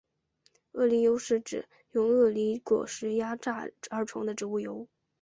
鳄梨油是指用鳄梨果实压榨而成的植物油。